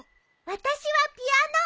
私はピアノ。